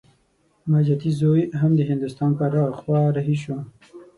ماجتي زوی هم د هندوستان پر خوا رهي شو.